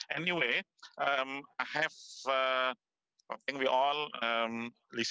anda melakukan secara relatif baik